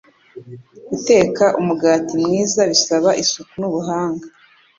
Guteka umugati mwiza bisaba isuku n’ubuhanga.